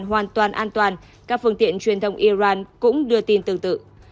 hoàn toàn an toàn các phương tiện truyền thông iran cũng đưa tin tương tự